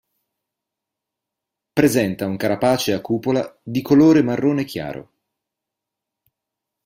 Presenta un carapace a cupola di colore marrone chiaro.